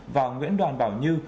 và nguyễn đoàn bảo như